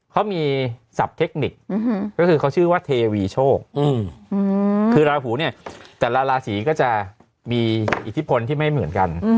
เขามีศัพท์เทคนิคก็คือเขาชื่อว่าเทวีโชคคือราหูเนี่ยแต่ละราศีก็จะมีอิทธิพลที่ไม่เหมือนกัน